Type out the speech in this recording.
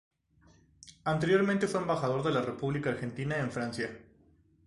Anteriormente fue embajador de la República Argentina en Francia.